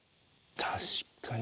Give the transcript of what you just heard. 確かに。